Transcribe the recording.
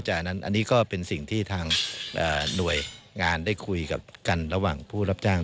จากนั้นอันนี้ก็เป็นสิ่งที่ทางหน่วยงานได้คุยกับกันระหว่างผู้รับจ้าง